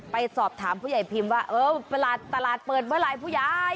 ไปสอบถามผู้ใหญ่พิมพ์ว่าเออตลาดตลาดเปิดเมื่อไหร่ผู้ใหญ่